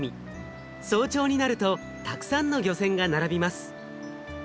早朝になるとたくさんの漁船が並びます。